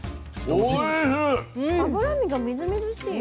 脂身がみずみずしい。